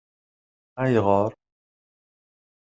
Ayɣer?